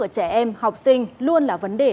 ở trẻ em học sinh luôn là vấn đề